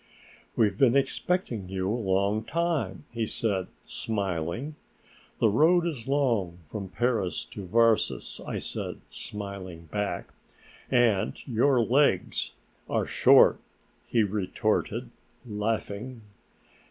"We've been expecting you a long time," he said, smiling. "The road is long from Paris to Varses," I said, smiling back. "And your legs are short," he retorted, laughing.